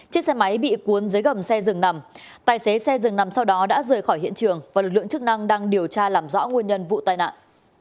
chiếc xe máy bị cuốn dưới gầm xe rừng nằm tài xế xe dừng nằm sau đó đã rời khỏi hiện trường và lực lượng chức năng đang điều tra làm rõ nguyên nhân vụ tai nạn